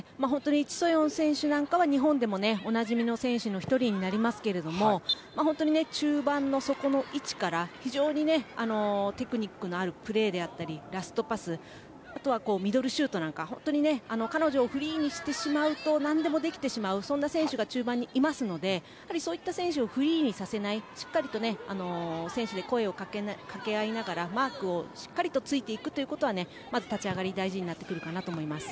チ・ソヨン選手なんかは日本でもおなじみの選手の１人になりますけど本当に中盤の底の位置からテクニックのあるプレーやラストパスあとはミドルシュートなんか彼女をフリーにしてしまうと何でもできてしまうそんな選手が中盤にいますのでそういった選手をフリーにさせずしっかり声をかけ合いながらマークをしっかりとついていくことは立ち上がりで大事になってくるかなと思います。